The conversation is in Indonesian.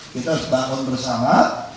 kita bangun bersama